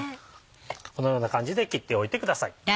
このような感じで切っておいてください。